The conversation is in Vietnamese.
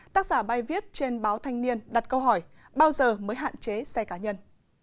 tác giả bài viết trên báo thanh niên đặt câu hỏi bao giờ mới hạn chế xe cá nhân